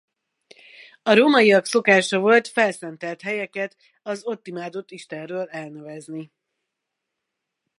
A rómaiak szokása volt felszentelt helyeket az ott imádott istenről elnevezni.